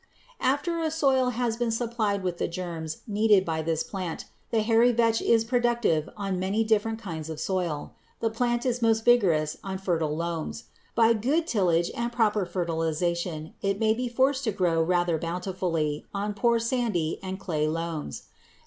After a soil has been supplied with the germs needed by this plant, the hairy vetch is productive on many different kinds of soil. The plant is most vigorous on fertile loams. By good tillage and proper fertilization it may be forced to grow rather bountifully on poor sandy and clay loams.